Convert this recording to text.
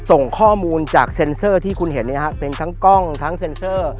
ส่งข้อมูลจากเซ็นเซอร์ที่คุณเห็นเป็นทั้งกล้องทั้งเซ็นเซอร์